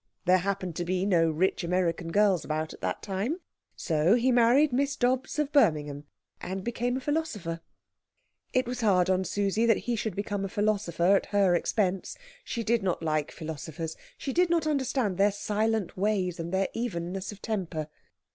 There happened to be no rich American girls about at that time, so he married Miss Dobbs of Birmingham, and became a philosopher. It was hard on Susie that he should become a philosopher at her expense. She did not like philosophers. She did not understand their silent ways, and their evenness of temper.